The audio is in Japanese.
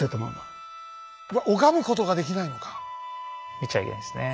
見ちゃいけないんですね。